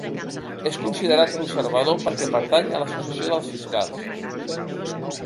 És considerat conservador perquè pertany a l'Associació de Fiscals.